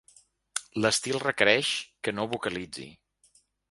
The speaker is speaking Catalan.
L'estil requereix que no vocalitzi.